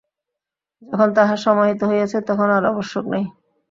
যখন তাহা সমাহিত হইয়াছে, তখন আর আবশ্যক নাই।